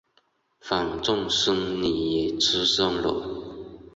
反正孙女也出生了